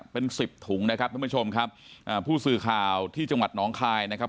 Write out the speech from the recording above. เป็นสิบถุงนะครับท่านผู้ชมครับอ่าผู้สื่อข่าวที่จังหวัดน้องคายนะครับ